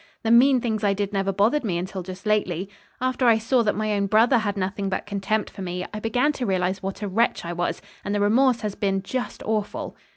"The mean things I did never bothered me until just lately. After I saw that my own brother had nothing but contempt for me, I began to realize what a wretch I was, and the remorse has been just awful."